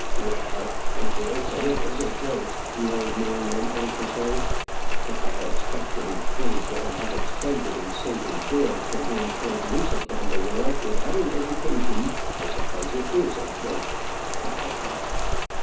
"Well, I dare say it is a joke," the old man went on to say. "If I expect to be paid what I have expended in saving George from being turned loose upon the world without education, I suppose it is a joke. Ha! ha! ha!